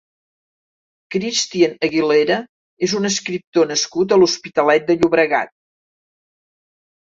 Christian Aguilera és un escriptor nascut a l'Hospitalet de Llobregat.